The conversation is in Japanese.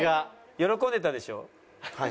喜んでたでしょ？